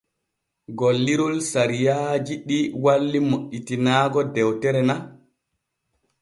Gollirol saawariiji ɗi walli moƴƴitinaago dewtere na.